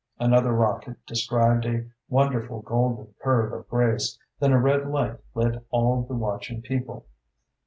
Another rocket described a wonderful golden curve of grace, then a red light lit all the watching people.